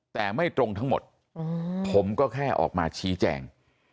แต่ไม่ตรงทั้งหมดผมก็แค่ออกมาชี้แจง